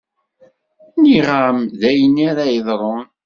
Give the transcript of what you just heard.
Nniɣ-am d ayenni ara yeḍṛun.